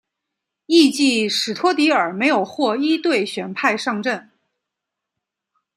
翌季史托迪尔没有获一队选派上阵。